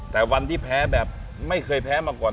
แต่วันที่แพ้แบบไม่เคยแพ้มาก่อน